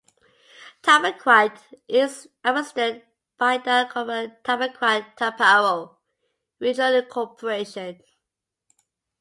Tabaquite is administered by the Couva-Tabaquite-Talparo Regional Corporation.